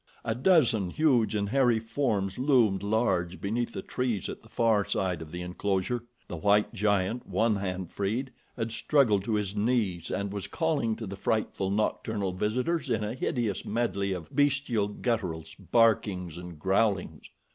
A dozen huge and hairy forms loomed large beneath the trees at the far side of the enclosure. The white giant, one hand freed, had struggled to his knees and was calling to the frightful, nocturnal visitors in a hideous medley of bestial gutturals, barkings and growlings.